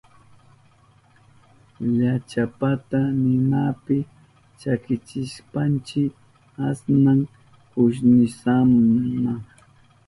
Llachapata ninapi chakichishpanchi asnan kushnisama.